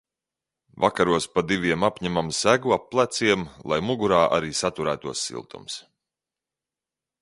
Vakaros pa diviem apņemam segu ap pleciem, lai mugurā arī saturētos siltums.